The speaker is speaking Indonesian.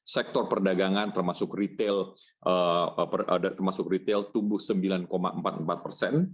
sektor perdagangan termasuk retail tumbuh sembilan empat puluh empat persen